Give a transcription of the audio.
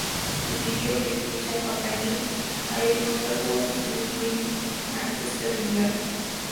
The video-clip which accompanied "I Remember" was filmed in Manchester, England.